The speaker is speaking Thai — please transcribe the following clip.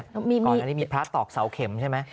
ก่อนอันนี้มีพระตอกเสาเข็มใช่ไหม